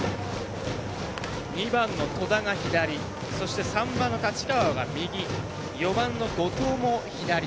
２番の戸田が左３番の太刀川が右４番の後藤も左。